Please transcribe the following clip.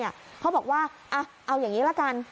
เขาบอกว่าเอาอย่างนี้ละกัน